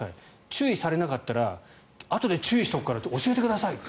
注意されなかったらあとで注意しておくから教えてくださいと。